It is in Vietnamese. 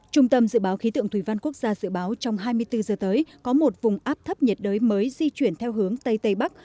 trung tâm dự báo khí tượng thủy văn quốc gia dự báo trong hai mươi bốn giờ tới có một vùng áp thấp nhiệt đới mới di chuyển theo hướng tây tây bắc